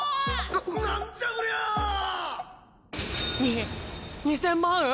なんじゃこりゃ！に２０００万？